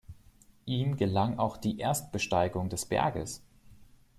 Ihm gelang auch die Erstbesteigung des Berges.